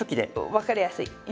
分かりやすい。